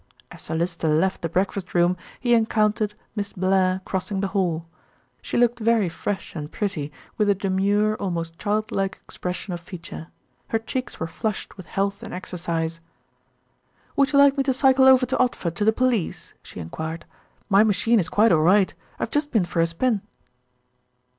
As Sir Lyster left the breakfast room he encountered Miss Blair crossing the hall. She looked very fresh and pretty, with a demure, almost childlike expression of feature. Her cheeks were flushed with health and exercise. "Would you like me to cycle over to Odford to the police?" she enquired. "My machine is quite all right. I have just been for a spin."